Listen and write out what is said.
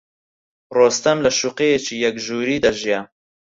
ڕۆستەم لە شوقەیەکی یەک ژووری دەژیا.